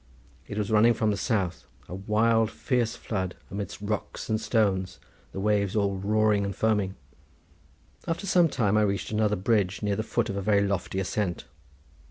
It was running from the south, a wild fierce flood amidst rocks and stones, the waves all roaring and foaming. After some time I reached another bridge near the foot of a very lofty ascent.